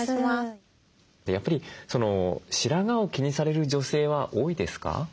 やっぱり白髪を気にされる女性は多いですか？